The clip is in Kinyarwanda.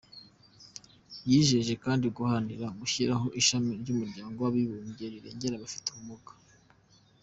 Yijeje kandi guharanira gushyiraho ishami ry’umuryango w’abibumbye rirengera abafite ubumuga.